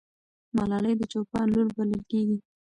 ملالۍ د چوپان لور بلل کېږي.